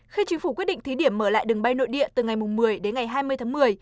khi chính phủ quyết định thí điểm mở lại đường bay nội địa từ ngày một mươi đến ngày hai mươi tháng một mươi